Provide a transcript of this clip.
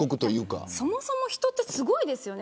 そもそも人ってすごいですよね。